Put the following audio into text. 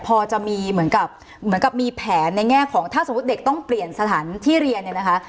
พอจะมีเหมือนกับเหมือนกับมีแผนในแง่ของถ้าสมมุติเด็กต้องเปลี่ยนสถานที่เรียนเนี่ยนะคะ